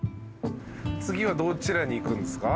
次はどちらに行くんですか？